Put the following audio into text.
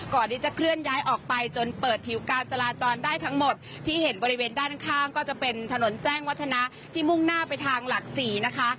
ก่อนที่จะเคลื่อนย้ายออกไปจนเปิดผิวการจราจรได้ทั้งหมดที่เห็นบริเวณด้านข้างก็จะเป็นถนนแจ้งวัฒนะที่มุ่งหน้าไปทางหลักสี่นะคะ